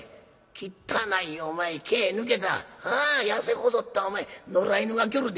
きったないお前毛抜けたああ痩せ細ったお前野良犬が来よるで。